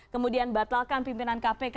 kemudian batalkan pimpinan kpk